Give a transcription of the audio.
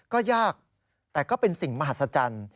ก็ยากแต่ก็เป็นสิ่งมหัศจรรย์